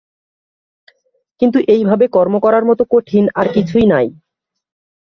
কিন্তু এইভাবে কর্ম করার মত কঠিন আর কিছুই নাই।